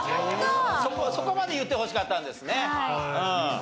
そこまで言ってほしかったんですねうん。